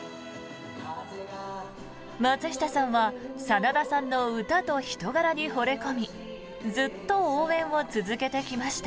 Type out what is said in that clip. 松下さんは真田さんの歌と人柄にほれ込みずっと応援を続けてきました。